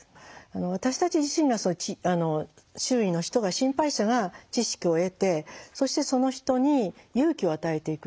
私たち自身が周囲の人が心配者が知識を得てそしてその人に勇気を与えていく。